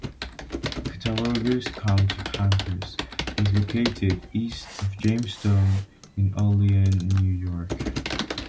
The Cattaraugus County Campus is located east of Jamestown in Olean, New York.